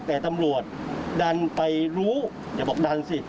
แต่ตำรวจดันไปรู้อย่าบอกดันสิ